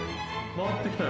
回ってきたよ。